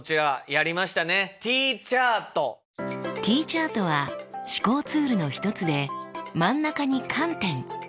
Ｔチャートは思考ツールの一つで真ん中に「観点」。